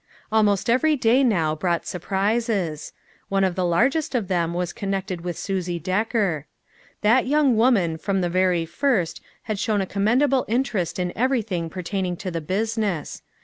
Almost every day now brought surprises. One of the largest of them was connected with Susie Decker. That young woman from the very first had shown a commendable interest in everything pertaining to the business.